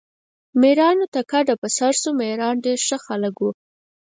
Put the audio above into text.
میرانو ته کډه په سر شو، میران ډېر ښه خلک وو.